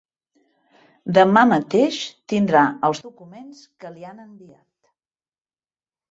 Demà mateix tindrà els documents que li han enviat.